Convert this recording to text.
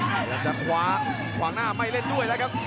พยายามจะขวาขวางหน้าไม่เล่นด้วยแล้วครับ